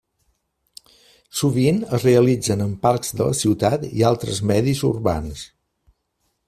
Sovint es realitzen en parcs de la ciutat i altres medis urbans.